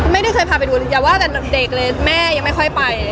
ไม่เคยพาไปดูอย่าว่าแต่เด็กเลยแม่ยังไม่ค่อยไป